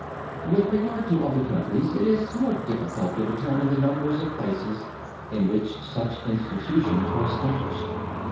With regard to other countries, it is more difficult to determine the number of places in which such institutions were established.